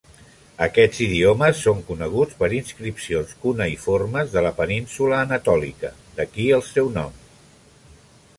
Aquests idiomes són coneguts per inscripcions cuneïformes de la península Anatòlica, d'aquí el seu nom.